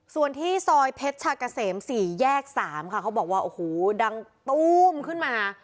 ส่วนที่ซอยเพชรชากะเสม๔แยก๓ค่ะเขาบอกว่าโอ้โหดังตู้มขึ้นมา